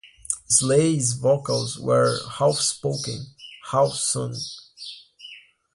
Sley's vocals were half-spoken, half-sung.